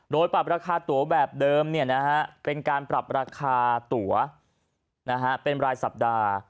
โดยปรับราคาตัวแบบเดิมเป็นการปรับราคาตัวเป็นรายสัปดาห์